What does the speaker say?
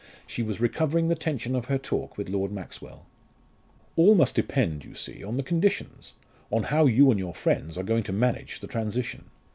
She was recovering the tension of her talk with Lord Maxwell. "All must depend, you see, on the conditions on how you and your friends are going to manage the transition.